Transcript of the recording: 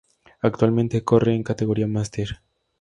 Actualmente corre en categoría Master.